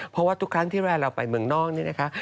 เพราะว่าทุกครั้งที่เวลาเราไปเมืองนอกนี่นะคะ